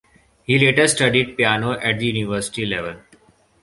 He later studied piano at the university level.